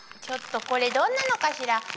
ちょっとこれどんなのかしら